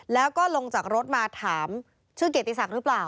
แล้วก็ลงจากรถมาถามชื่อเกียรติศักดิ์หรือเปล่า